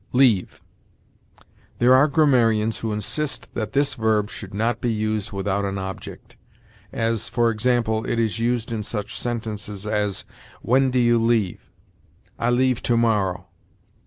LEAVE. There are grammarians who insist that this verb should not be used without an object, as, for example, it is used in such sentences as, "When do you leave?" "I leave to morrow."